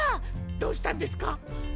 どうしたんですか？